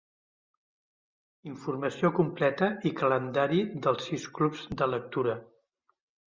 Informació completa i calendari dels sis clubs de lectura.